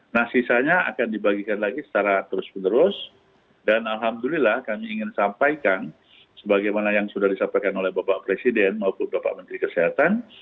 nah sisanya akan dibagikan lagi secara terus menerus dan alhamdulillah kami ingin sampaikan sebagaimana yang sudah disampaikan oleh bapak presiden maupun bapak menteri kesehatan